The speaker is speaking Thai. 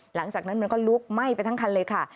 หลังจากนั้นมันก็ลุกไหม้ไปทั้งคันเลยค่ะ